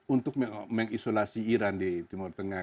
untuk mengisolasi iran di timur tengah